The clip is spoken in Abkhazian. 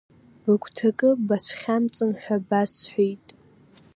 Быгәҭакы бацәхьамҵын ҳәа басҳәеит.